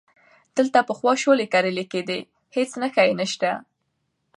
دلته پخوا شولې کرلې کېدې، هیڅ نښه یې نشته،